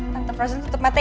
tante frozen tutup mata ya